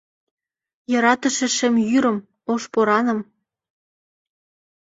Йӧратыше шем йӱрым, ош пораным…